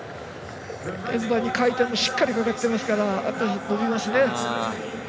円盤に回転もしっかりかかってますから伸びますね。